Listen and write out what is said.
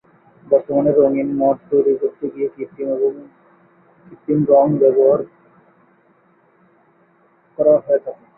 বর্তমানে রঙিন মঠ তৈরি করতে গিয়ে কৃত্রিম রং ব্যবহার করা হয়ে থাকে।